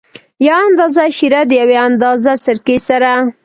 یو اندازه شېره د یوې اندازه سرکې سره.